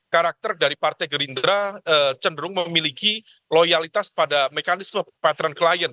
karakter dari partai gerindra cenderung memiliki loyalitas pada mekanisme pattern klien